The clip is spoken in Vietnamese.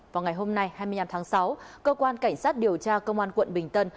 vào ngày hôm nay hai mươi năm tháng sáu cơ quan cảnh sát điều tra công an quận bình tân